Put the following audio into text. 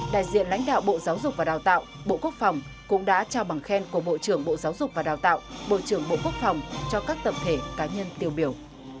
đại diện lãnh đạo bộ giáo dục và đào tạo bộ quốc phòng cũng đã trao bằng khen của bộ trưởng bộ giáo dục và đào tạo bộ trưởng bộ quốc phòng cho các tập thể cá nhân tiêu biểu